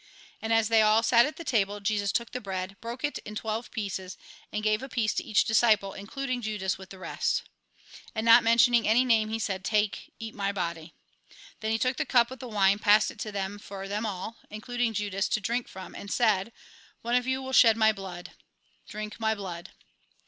And as they all sat at table, Jesus took bread, broke it in twelve pieces, and gave a piece to each disciple, including Judas with the rest. And not mentioning any name, he said :" Take, eat my body." Then he took the cup with the wine, passed it to them, for 14 2IO THE GOSPEL IN BRIEF them all, including Judas, to drink from, and said :" One of you will shed my blood. Drink my blood."